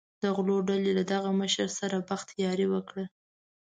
د غلو ډلې له دغه مشر سره بخت یاري وکړي.